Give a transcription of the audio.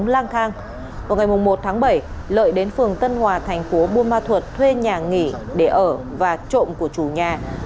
ngày một tháng bảy lợi đến phường tân hòa thành phố buôn ma thuột thuê nhà nghỉ để ở và trộm của chủ nhà